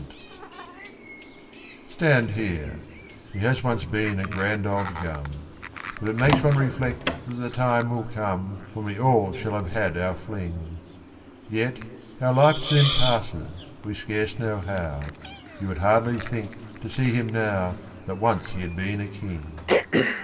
_ Stand here; he has once been a grand old gum, But it makes one reflect that the time will come When we all shall have had our fling; Yet, our life soon passes, we scarce know how You would hardly think, to see him now, That once he had been a king.